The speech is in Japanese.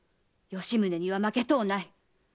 吉宗には負けとうない。